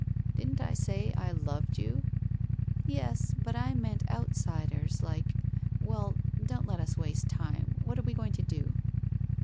' Didn't I say I loved you ?'' Yes, but I meant outsiders, like — well, don't let us waste time, what are we going to do?'